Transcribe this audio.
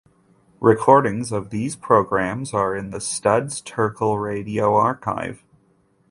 Recordings of these programs are in the Studs Terkel Radio Archive.